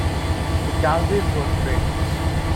The galleries were straight.